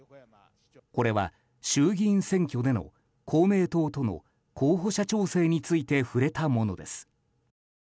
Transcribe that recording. これは衆議院選挙での公明党との候補者調整について触れたものです。